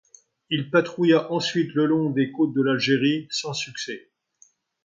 Il patrouilla ensuite le long des côtes de l'Algérie, sans succès.